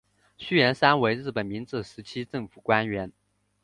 续彦三为日本明治时期政府官员。